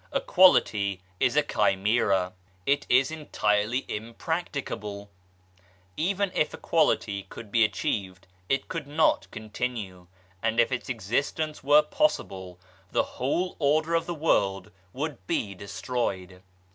Equality is a chimera ! It is entirely impracticable I Even if equality could be achieved it could not continue and if its existence were possible, the whole order of the world would be destroyed.